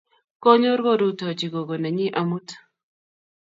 Konyor korutochi kogo nenyi amut.